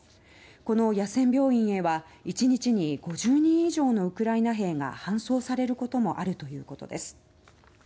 この野戦病院は１日に５０人以上のウクライナ兵が搬送されることもあるということです。